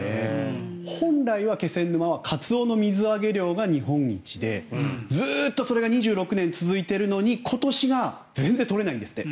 本来は気仙沼はカツオの水揚げ量が日本一でずっとそれが２６年続いているのに、今年は全然取れないんですって。